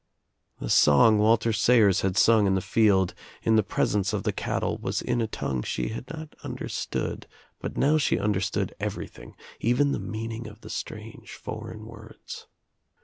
The I song Walter Sayers had sung in the lield, in thfrl presence of the cattle was in a tongue she had not j| understood, but now she understood everything, even I the meaning of the strange foreign words.